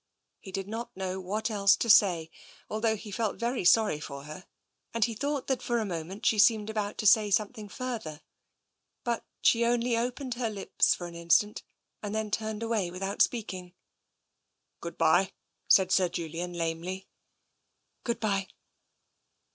He did not know what else to say, although he felt very sorry for her, and he thought that for a moment she seemed about to say something further. But she only opened her lips for an instant and then turned away without speaking. Good bye," said Sir Julian lamely. Good bye."